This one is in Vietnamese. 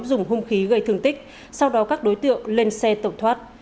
dùng hung khí gây thường tích sau đó các đối tượng lên xe tổng thoát